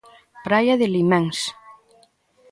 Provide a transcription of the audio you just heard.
Praia de Liméns.